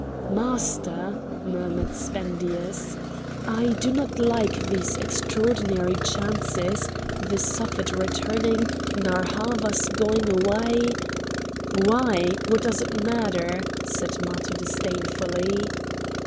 "Master!" murmured Spendius, "I do not like these extraordinary chances—the Suffet returning, Narr' Havas going away—" "Why! what does it matter?" said Matho disdainfully.